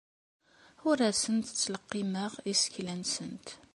Ur asent-ttleqqimeɣ isekla-nsent.